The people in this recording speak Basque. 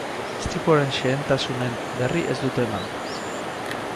Istripuaren xehentasunen berri ez dute eman.